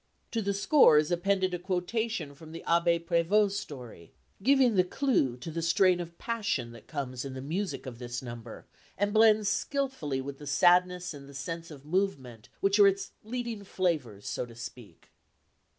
To the score is appended a quotation from the Abbé Prévost's story, giving the clue to the strain of passion that comes in the music of this number, and blends skilfully with the sadness and the sense of movement which are its leading flavours, so to speak.